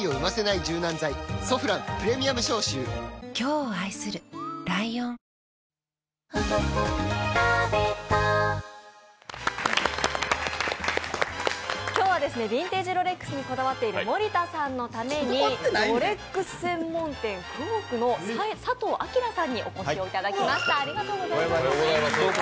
「ソフランプレミアム消臭」今日はヴィンテージロレックスにこだわってる森田さんのためにロレックス専門店クォークの佐藤顕さんにお越しいただきました。